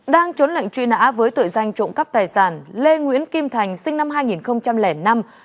đang trốn lệnh truy nã với tội danh trộm cắp tài sản lê nguyễn kim thành sinh năm hai nghìn năm